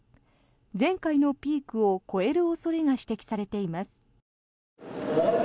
前回のピークを超える恐れが指摘されています。